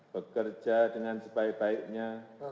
bekerja dengan sebaik baiknya